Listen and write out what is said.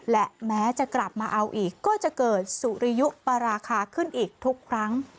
และแม้จะกลับมาเอาอีกก็จะเกิดสุริยุปราคาขึ้นอีกทุกครั้ง